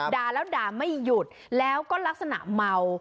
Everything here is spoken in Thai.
ด่าแล้วด่าไม่หยุดแล้วก็ลักษณะเมา